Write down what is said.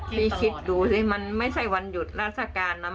คิดดูสิมันไม่ใช่วันหยุดราชการนะ